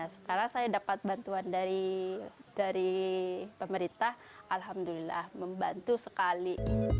sekarang saya dapat bantuan dari pemerintah alhamdulillah membantu sekali